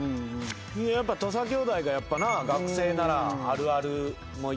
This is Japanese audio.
やっぱ土佐兄弟がやっぱな学生ならあるあるもいけるやろうけど。